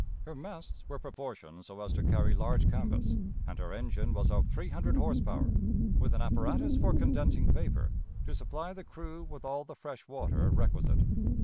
Her masts were proportioned so as to carry large canvas, and her engine was of three hundred horse power, with an apparatus for condensing vapor to supply the crew with all the fresh water requisite.